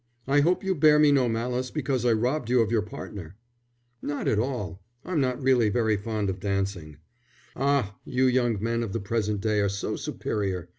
I hope you bear me no malice because I robbed you of your partner." "Not at all. I'm not really very fond of dancing." "Ah, you young men of the present day are so superior.